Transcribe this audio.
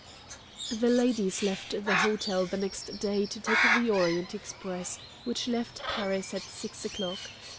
The ladies left the hotel the next day to take the Orient Express, which left Paris at six o'clock.